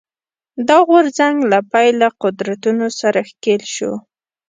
دا غورځنګ له پیله قدرتونو سره ښکېل شو